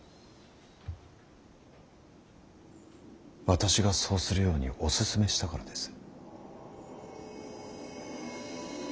私がそうするようにお勧めしたからです。